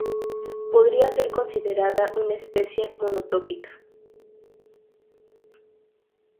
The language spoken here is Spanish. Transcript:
Podría ser mejor considerada una especie monotípica.